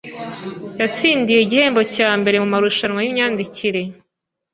Yatsindiye igihembo cya mbere mumarushanwa yimyandikire